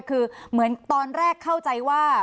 คือเหมือนตอนแรกเข้าใจว่า